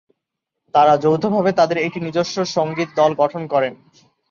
তারা যৌথভাবে তাদের একটি নিজস্ব সংগীত দল গঠন করেন।